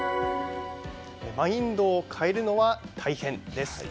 マインドを変えるのは大変です。